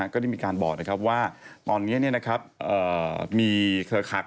ก็ได้มีการบอกว่าตอนนี้มีเครือขัก